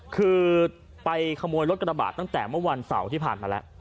คือไปขโมยรถกระบาดตั้งแต่เมื่อวันเสาร์ที่ผ่านมาแล้ว